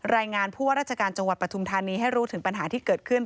รายงานผู้ว่าราชการจังหวัดปฐุมธานีให้รู้ถึงปัญหาที่เกิดขึ้น